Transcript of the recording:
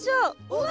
うわ！